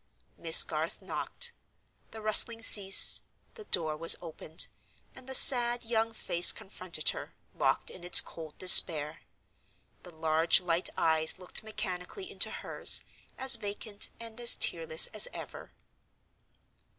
Miss Garth knocked. The rustling ceased; the door was opened, and the sad young face confronted her, locked in its cold despair; the large light eyes looked mechanically into hers, as vacant and as tearless as ever.